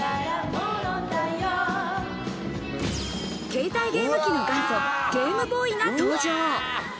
携帯ゲーム機の元祖、ゲームボーイが登場。